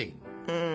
うん。